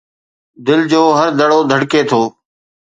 دل جو هر دڙو ڌڙڪي ٿو